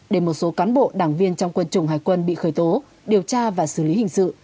để một số cán bộ đảng viên trong quân chủng hải quân bị khởi tố điều tra và xử lý hình sự